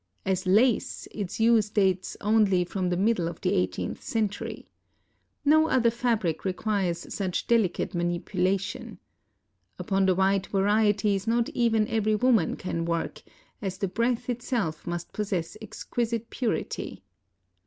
As lace, its use WOMAN AS AN INVENTOR. 481 dates only from the middle of the eighteenth century. No other fabric requires such delicate manipulation. Upon the white varieties not even every woman can work, as the breath itself must possess exquisite purity.